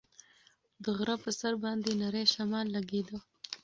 د غره په سر باندې نری شمال لګېده.